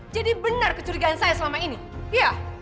jadi benar kecurigaan saya selama ini iya